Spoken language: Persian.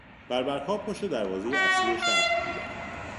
بربرها پشت دروازهی اصلی شهر بودند.